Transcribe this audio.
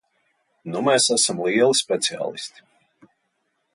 Nu mēs esam lieli speciālisti.